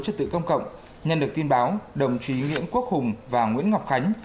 chất tự công cộng nhân được tin báo đồng chí nguyễn quốc hùng và nguyễn ngọc khánh